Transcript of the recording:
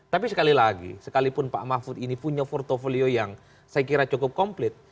tapi sekali lagi sekalipun pak mahfud ini punya portfolio yang saya kira cukup komplit